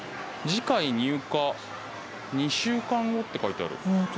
「次回入荷２週間後」って書いてある。